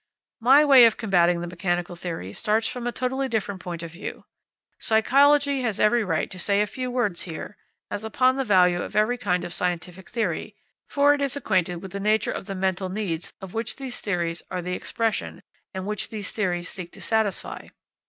My way of combating the mechanical theory starts from a totally different point of view. Psychology has every right to say a few words here, as upon the value of every kind of scientific theory; for it is acquainted with the nature of the mental needs of which these theories are the expression and which these theories seek to satisfy.